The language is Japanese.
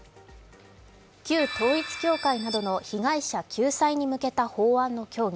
旧統一教会などの被害者救済に向けた法案の協議。